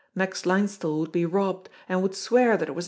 Max Linesthal would be robbed, and would swear that it was